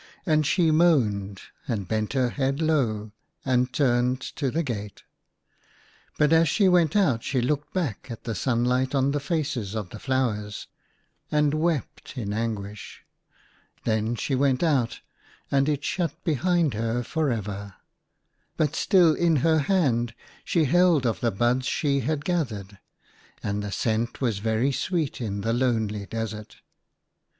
And she moaned, and bent her head low, and turned to the gate. But as she went out she looked back at the sunlight on the faces of the flowers, and wept in anguish. Then she went out, and it shut behind her for ever ; but still in her hand she held of the buds she had gathered, and the scent was very sweet in the lonely desert.